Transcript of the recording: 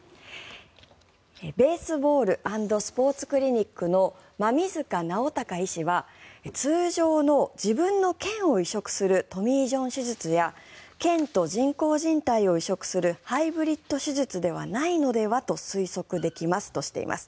ベースボール＆スポーツクリニックの馬見塚尚孝医師は通常の自分の腱を移植するトミー・ジョン手術や腱と人工じん帯を移植するハイブリッド手術ではないのではと推測できますとしています。